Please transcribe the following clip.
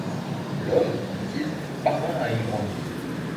L’homme, dit-il, parvint à une grande ville.